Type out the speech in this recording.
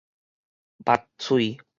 密喙